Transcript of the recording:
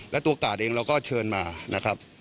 และตัวกาดเองเราก็เชิญมานะครับ